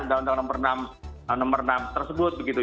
undang undang nomor enam tersebut begitu